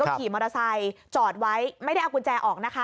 ขี่มอเตอร์ไซค์จอดไว้ไม่ได้เอากุญแจออกนะคะ